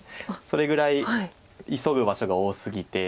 それぐらい急ぐ場所が多すぎて。